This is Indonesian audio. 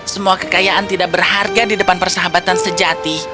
semua kekayaan tidak berharga di depan persahabatan sejati